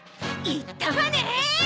言ったわね！